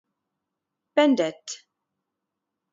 Bend It!